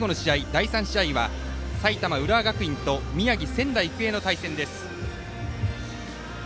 第３試合は埼玉・浦和学院と宮城・仙台育英の対戦です。